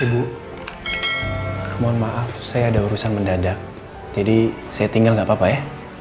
ibu mohon maaf saya ada urusan mendadak jadi saya tinggal nggak apa apa ya